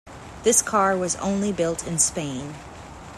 This car was only built in Spain.